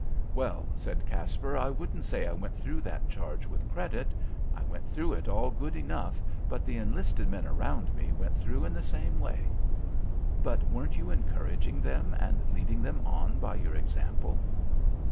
"Well," said Caspar, "I wouldn't say I went through that charge with credit. I went through it all good enough, but the enlisted men around went through in the same way." "But weren't you encouraging them and leading them on by your example?"